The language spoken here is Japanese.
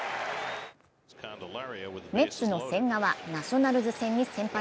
メッツの千賀は、ナショナルズ戦に先発。